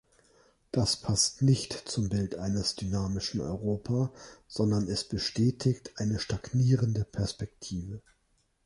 Das passt nicht zum Bild eines dynamischen Europa, sondern es bestätigt eine stagnierende Perspektive.